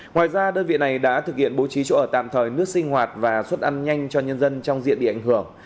ngoài ra đơn vị này đã thực hiện bố trí chỗ ở tạm thời nước sinh hoạt và xuất ăn nhanh cho nhân dân trong diện bị ảnh hưởng